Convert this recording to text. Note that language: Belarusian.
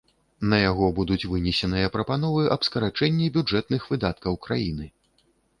На яго будуць вынесеныя прапановы аб скарачэнні бюджэтных выдаткаў краіны.